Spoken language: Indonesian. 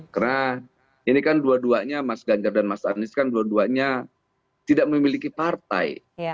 karena ini kan dua duanya mas ganjar dan mas anies kan dua duanya tidak memiliki partai